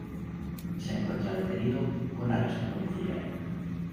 Se encuentra detenido con arresto domiciliario.